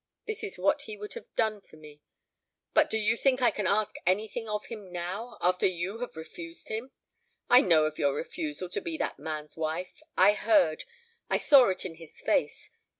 This is what he would have done for me. But do you think I can ask anything of him now, after you have refused him? I know of your refusal to be that man's wife. I heard I saw it in his face.